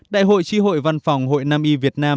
đại hội tri hội văn phòng hội nam y việt nam